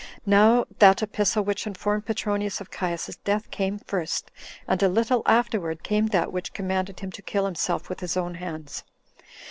Now that epistle which informed Petronius of Caius's death came first, and a little afterward came that which commanded him to kill himself with his own hands.